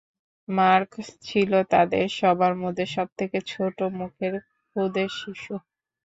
Mark ছিল তাদের সবার মধ্যে সবথেকে ছোট মুখের ক্ষুদে শিশু।